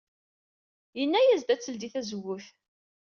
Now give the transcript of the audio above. Yenna-as ad teldey tazewwut.